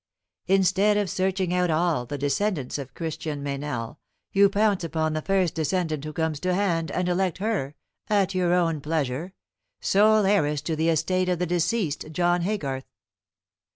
Instead of searching out all the descendants of Christian Meynell, you pounce upon the first descendant who comes to hand, and elect her, at your own pleasure, sole heiress to the estate of the deceased John Haygarth.